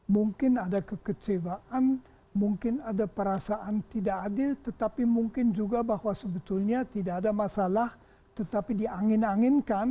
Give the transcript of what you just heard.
mungkin ada kekecewaan mungkin ada perasaan tidak adil tetapi mungkin juga bahwa sebetulnya tidak ada masalah tetapi diangin anginkan